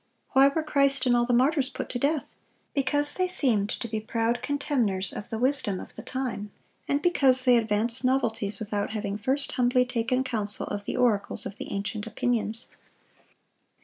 Why were Christ and all the martyrs put to death? Because they seemed to be proud contemners of the wisdom of the time, and because they advanced novelties without having first humbly taken counsel of the oracles of the ancient opinions."